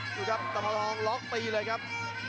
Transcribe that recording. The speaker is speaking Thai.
ดูครับตะพลองล็อกตีเลยครับ